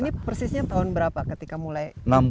ini persisnya tahun berapa ketika mulai